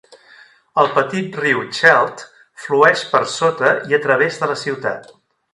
El petit riu Chelt flueix per sota i a través de la ciutat.